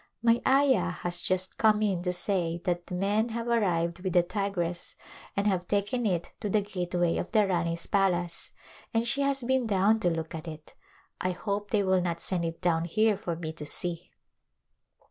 My ayah has just come in to say that the men have arrived with the tigress and have taken it to the gateway of the Rani's palace and she has been down to look at it. I hope they will not send it down here for me to see